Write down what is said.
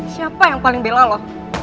siapa yang paling bela loh